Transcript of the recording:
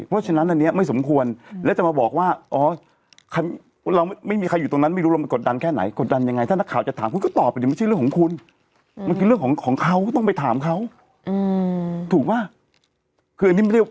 เพราะฉะนั้นอันนี้ไม่สมควร